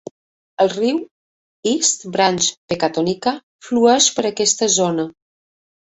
El riu East Branch Pecatonica flueix per aquesta zona.